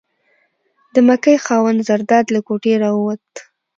د مکۍ خاوند زرداد له کوټې راووت.